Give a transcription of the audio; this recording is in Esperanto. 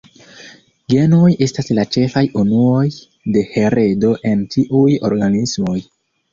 Genoj estas la ĉefaj unuoj de heredo en ĉiuj organismoj.